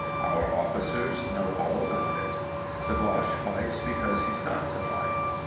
Our officers know all about it. The Boche fights because he's got to fight.